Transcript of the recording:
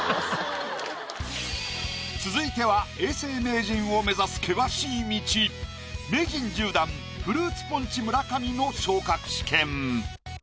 続いては永世名人を目指す険しい道名人１０段フルーツポンチ村上の昇格試験。